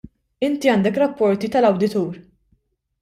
Inti għandek rapporti tal-Awditur.